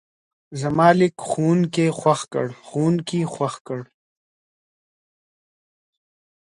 زما لیک ښوونکی خوښ کړ.